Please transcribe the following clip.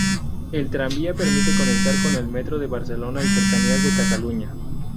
El tranvía permite conectar con el Metro de Barcelona y Cercanías de Cataluña.